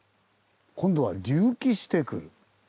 今度は隆起してくる。